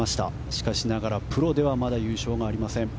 しかしながらプロではまだ優勝ありません。